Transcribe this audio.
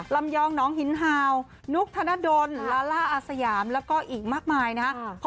ยองน้องหินฮาวนุ๊กธนดลลาล่าอาสยามแล้วก็อีกมากมายนะครับ